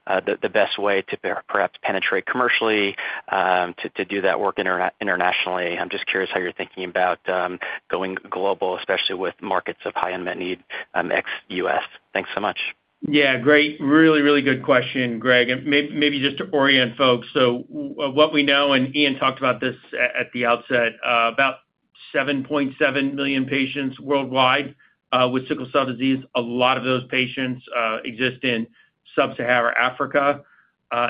the best way to perhaps penetrate commercially to do that work internationally. I'm just curious how you're thinking about going global, especially with markets of high unmet need ex-U.S.? Thanks so much. Yeah, great. Really good question, Gregory Renza. Maybe just to orient folks, what we know, and Iain talked about this at the outset, about 7.7 million patients worldwide with sickle cell disease. A lot of those patients exist in Sub-Saharan Africa.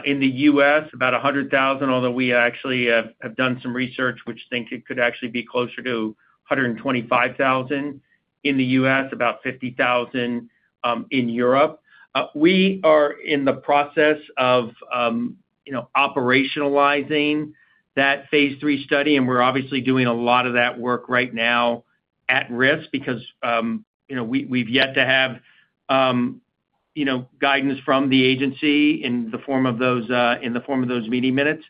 In the U.S., about 100,000, although we actually have done some research which thinks it could actually be closer to 125,000 in the U.S., about 50,000 in Europe. We are in the process of, you know, operationalizing that phase III study. We're obviously doing a lot of that work right now at risk because, you know, we've yet to have, you know, guidance from the agency in the form of those in the form of those meeting minutes.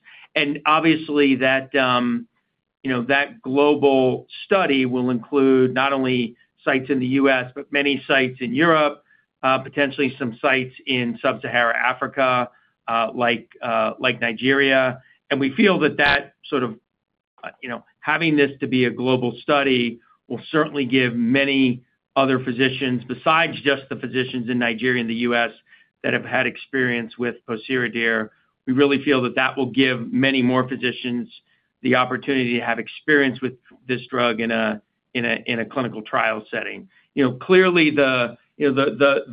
Obviously that, you know, that global study will include not only sites in the U.S., but many sites in Europe, potentially some sites in Sub-Saharan Africa, like Nigeria. We feel that that sort of, you know, having this to be a global study will certainly give many other physicians, besides just the physicians in Nigeria and the U.S., that have had experience with pociredir, we really feel that that will give many more physicians the opportunity to have experience with this drug in a clinical trial setting. You know, clearly the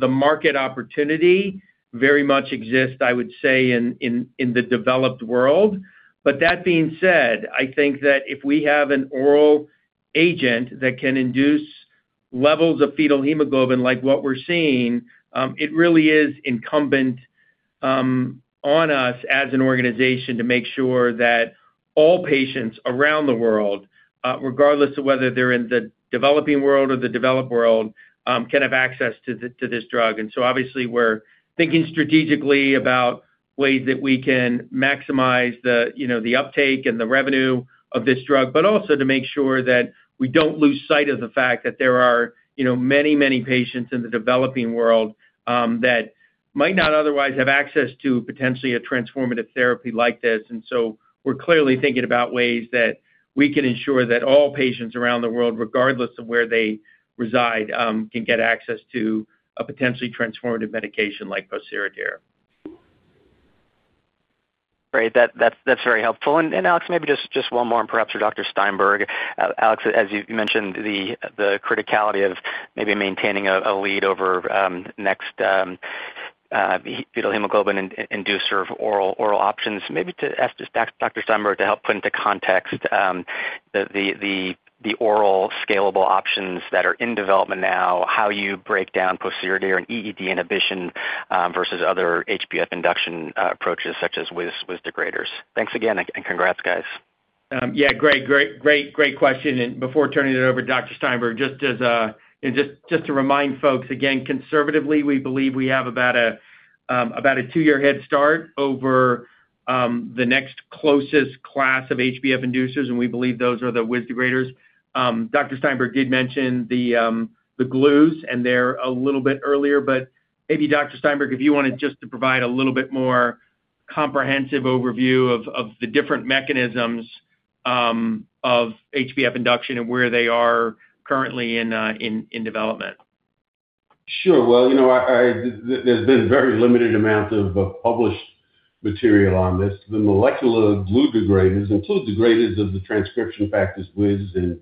market opportunity very much exists, I would say, in the developed world. That being said, I think that if we have an oral agent that can induce levels of fetal hemoglobin, like what we're seeing, it really is incumbent on us as an organization to make sure that all patients around the world, regardless of whether they're in the developing world or the developed world, can have access to this drug. Obviously, we're thinking strategically about ways that we can maximize the, you know, the uptake and the revenue of this drug, but also to make sure that we don't lose sight of the fact that there are, you know, many, many patients in the developing world that might not otherwise have access to potentially a transformative therapy like this. We're clearly thinking about ways that we can ensure that all patients around the world, regardless of where they reside, can get access to a potentially transformative medication like pociredir. Great. That's, that's very helpful. Alex, maybe just one more and perhaps for Dr. Steinberg. Alex, as you mentioned, the criticality of maybe maintaining a lead over next fetal hemoglobin inducer of oral options. Maybe to ask just Dr. Steinberg to help put into context the oral scalable options that are in development now, how you break down pociredir and EED inhibition versus other HbF induction approaches such as with degraders. Thanks again, and congrats, guys. Yeah, great, great question. Before turning it over to Dr. Steinberg, just as, and just to remind folks, again, conservatively, we believe we have about a two-year head start over the next closest class of HbF inducers. We believe those are the WIZ degraders. Dr. Steinberg did mention the glues. They're a little bit earlier. Maybe Dr. Steinberg, if you wanted just to provide a little bit more comprehensive overview of the different mechanisms of HbF induction and where they are currently in development. Sure. Well, you know, I there's been very limited amounts of published material on this. The molecular glue degraders and two degraders of the transcription factors, WIZ and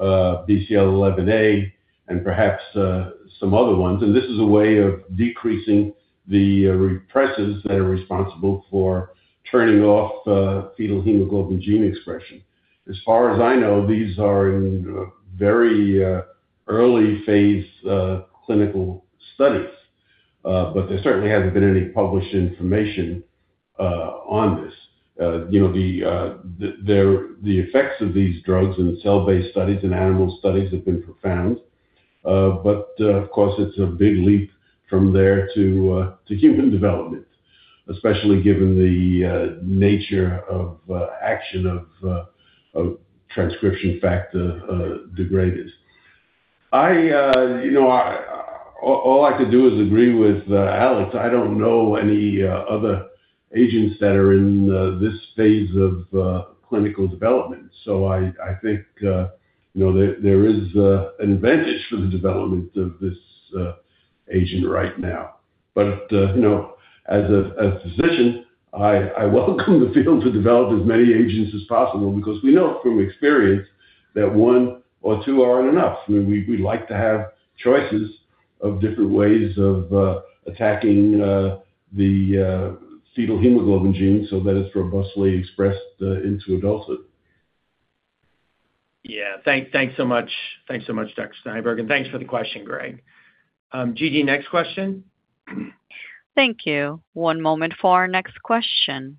BCL11A, and perhaps some other ones. This is a way of decreasing the repressors that are responsible for turning off fetal hemoglobin gene expression. As far as I know, these are in very early phase clinical studies, but there certainly hasn't been any published information on this. You know, the effects of these drugs in cell-based studies and animal studies have been profound. Of course, it's a big leap from there to human development, especially given the nature of action of transcription factor degraders. I, you know, all I could do is agree with Alex. I don't know any other agents that are in this phase of clinical development. I think, you know, there is an advantage for the development of this agent right now. You know, as a physician, I welcome the field to develop as many agents as possible because we know from experience that one or two aren't enough. We like to have choices of different ways of attacking the fetal hemoglobin gene so that it's robustly expressed into adulthood. Yeah. Thanks so much. Thanks so much, Dr. Steinberg, and thanks for the question, Greg. Gigi, next question? Thank you. One moment for our next question.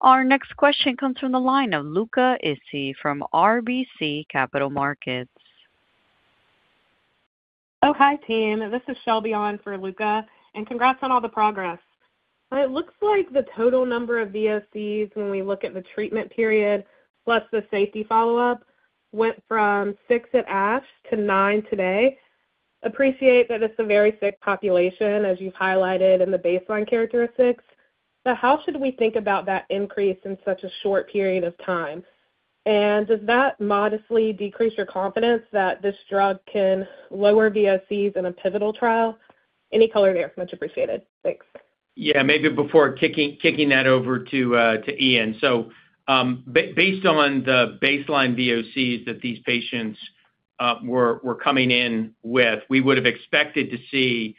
Our next question comes from the line of Luca Issi from RBC Capital Markets. Hi, team. This is Shelby on for Luca, congrats on all the progress. It looks like the total number of VOCs when we look at the treatment period, plus the safety follow-up, went from six at ASH to nine today. Appreciate that it's a very sick population, as you've highlighted in the baseline characteristics, how should we think about that increase in such a short period of time? Does that modestly decrease your confidence that this drug can lower VOCs in a pivotal trial? Any color there is much appreciated. Thanks. Yeah, maybe before kicking that over to Iain. Based on the baseline VOCs that these patients were coming in with, we would have expected to see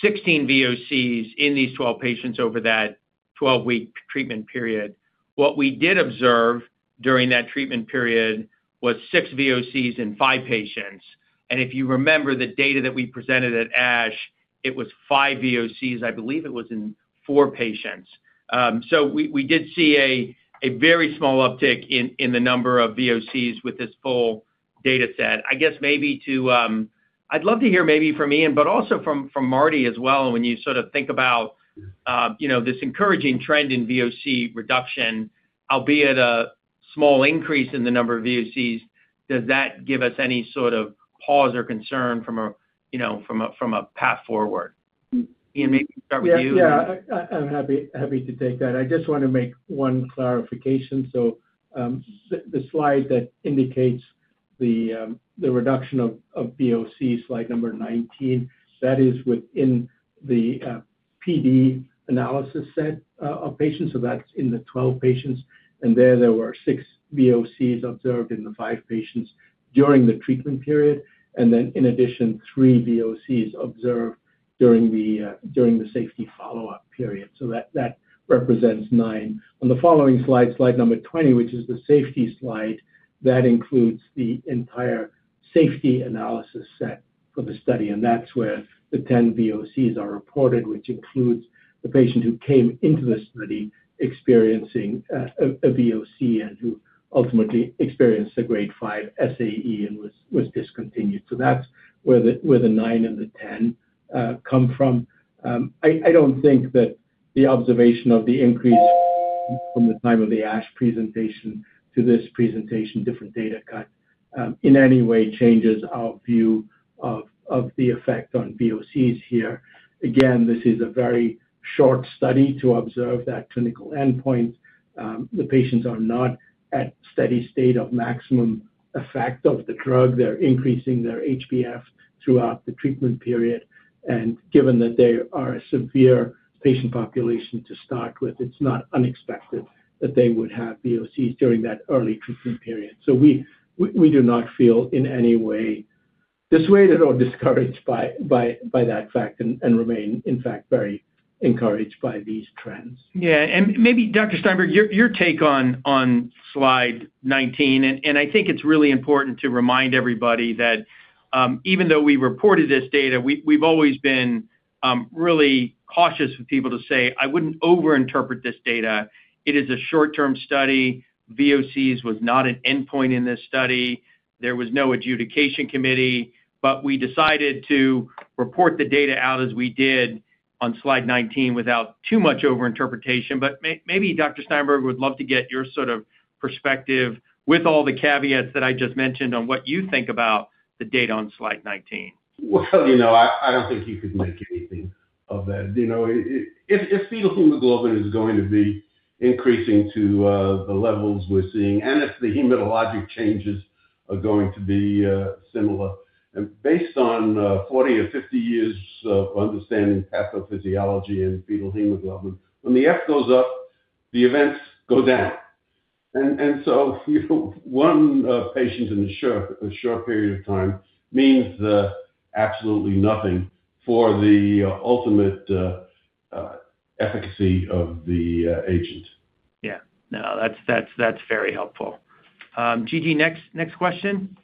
16 VOCs in these 12 patients over that 12-week treatment period. What we did observe during that treatment period was 6 VOCs in five patients. If you remember the data that we presented at ASH, it was five VOCs. I believe it was in four patients. We did see a very small uptick in the number of VOCs with this full data set. I guess maybe to, I'd love to hear maybe from Iain, but also from Marty as well, when you sort of think about, you know, this encouraging trend in VOC reduction, albeit a small increase in the number of VOCs, does that give us any sort of pause or concern from a path forward? Iain, maybe we start with you. Yeah, I'm happy to take that. I just want to make one clarification. The slide that indicates the reduction of VOC, slide number 19, that is within the PD analysis set of patients. That's in the 12 patients, and there were six VOCs observed in the five patients during the treatment period, and then in addition, three VOCs observed during the safety follow-up period. That represents nine. On the following slide number 20, which is the safety slide, that includes the entire safety analysis set for the study, and that's where the 10 VOCs are reported, which includes the patient who came into the study experiencing a VOC and who ultimately experienced a grade five SAE and was discontinued. That's where the nine and the 10 come from. I don't think that the observation of the increase from the time of the ASH presentation to this presentation, different data cut, in any way changes our view of the effect on VOCs here. Again, this is a very short study to observe that clinical endpoint. The patients are not at steady state of maximum effect of the drug. They're increasing their HbF throughout the treatment period, and given that they are a severe patient population to start with, it's not unexpected that they would have VOCs during that early treatment period. We do not feel in any way, dissuaded or discouraged by that fact and remain, in fact, very encouraged by these trends. Yeah, maybe Dr. Steinberg, your take on slide 19. I think it's really important to remind everybody that, even though we reported this data, we've always been really cautious with people to say, I wouldn't overinterpret this data. It is a short-term study. VOCs was not an endpoint in this study. There was no adjudication committee. We decided to report the data out as we did on slide 19 without too much overinterpretation. Maybe, Dr. Steinberg, would love to get your sort of perspective with all the caveats that I just mentioned on what you think about the data on slide 19. Well, you know, I don't think you could make anything of that. You know, it, if fetal hemoglobin is going to be increasing to the levels we're seeing, and if the hematologic changes are going to be similar, and based on 40 or 50 years of understanding pathophysiology and fetal hemoglobin, when the F goes up, the events go down. You know, one patient in a short period of time means absolutely nothing for the ultimate efficacy of the agent. Yeah. No, that's very helpful. Gigi, next question?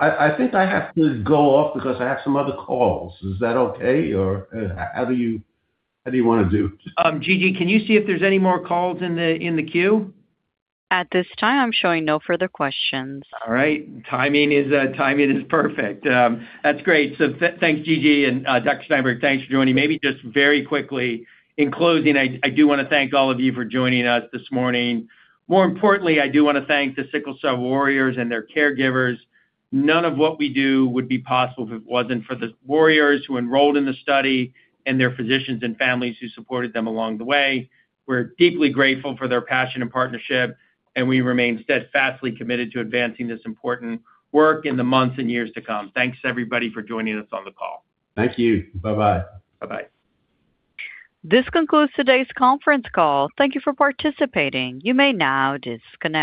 I think I have to go off because I have some other calls. Is that okay, or, how do you wanna do? Gigi, can you see if there's any more calls in the, in the queue? At this time, I'm showing no further questions. All right. Timing is, timing is perfect. That's great. Thanks, Gigi, and Dr. Steinberg, thanks for joining. Maybe just very quickly, in closing, I do wanna thank all of you for joining us this morning. More importantly, I do wanna thank the sickle cell warriors and their caregivers. None of what we do would be possible if it wasn't for the warriors who enrolled in the study and their physicians and families who supported them along the way. We're deeply grateful for their passion and partnership, and we remain steadfastly committed to advancing this important work in the months and years to come. Thanks, everybody, for joining us on the call. Thank you. Bye-bye. Bye-bye. This concludes today's conference call. Thank you for participating. You may now disconnect.